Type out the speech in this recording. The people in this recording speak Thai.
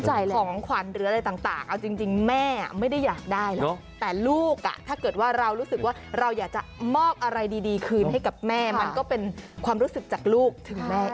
ของขวัญหรืออะไรต่างเอาจริงแม่ไม่ได้อยากได้หรอกแต่ลูกอ่ะถ้าเกิดว่าเรารู้สึกว่าเราอยากจะมอบอะไรดีคืนให้กับแม่มันก็เป็นความรู้สึกจากลูกถึงแม่